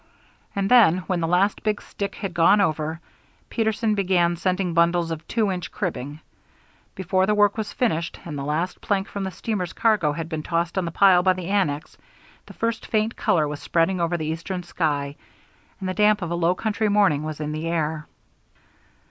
And then, when the last big stick had gone over, Peterson began sending bundles of two inch cribbing. Before the work was finished, and the last plank from the steamer's cargo had been tossed on the pile by the annex, the first faint color was spreading over the eastern sky, and the damp of a low country morning was in the air.